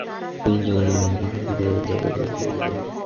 তিনি তাদেরকে জান্নাতে প্রবেশ করাবেন, যার পাদদেশ দিয়ে নিঝরমালা প্রবাহিত।